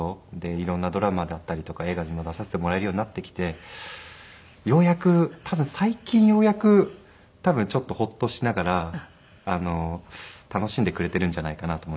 色んなドラマだったりとか映画にも出させてもらえるようになってきて多分最近ようやくちょっとホッとしながら楽しんでくれているんじゃないかなと思います。